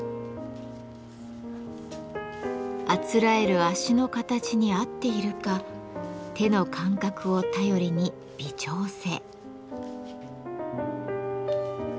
あつらえる足の形に合っているか手の感覚を頼りに微調整。